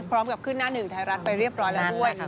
พร้อมกับขึ้นหน้าหนึ่งไทยรัฐไปเรียบร้อยแล้วด้วย